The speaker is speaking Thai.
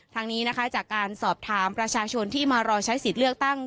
ทางนี้นะคะจากการสอบถามประชาชนที่มารอใช้สิทธิ์เลือกตั้ง